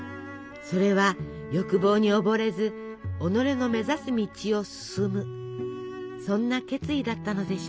それは欲望におぼれず己の目指す道を進むそんな決意だったのでしょうか。